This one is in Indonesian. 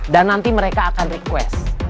dan nanti mereka akan request